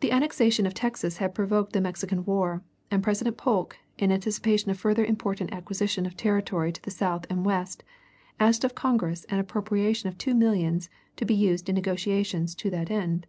The annexation of Texas had provoked the Mexican war, and President Polk, in anticipation of further important acquisition of territory to the South and West, asked of Congress an appropriation of two millions to be used in negotiations to that end.